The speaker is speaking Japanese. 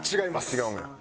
違うんや。